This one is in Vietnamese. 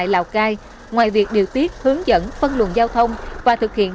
lào cai ngoài việc điều tiết hướng dẫn phân luận giao thông và thực hiện